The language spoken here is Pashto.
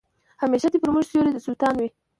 همېشه دي پر موږ سیوری د سلطان وي